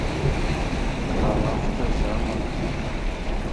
Kəla ana aftá izeama.